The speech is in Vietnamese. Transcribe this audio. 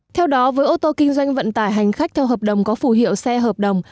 theo đó với ô tô kinh doanh vận tải hành khách theo hợp đồng có phù hiệu xe hợp đồng